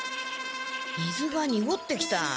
水がにごってきた。